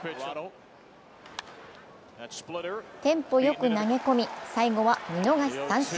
テンポ良く投げ込み、最後は見逃し三振。